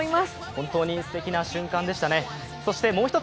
本当にすてきな瞬間でしたね。